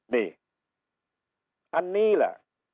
นี่อันนี้แหละ